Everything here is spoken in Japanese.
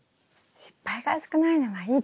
失敗が少ないのはいいですね。